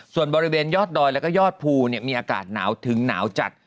ส่วนบริเวณยอดดอยแล้วก็ยอดภูมีอากาศหนาวถึงหนาวจัด